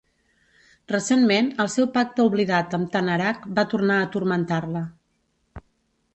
Recentment, el seu pacte oblidat amb Tanaraq va tornar a turmentar-la.